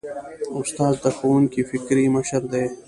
استاد د ښوونځي فکري مشر دی.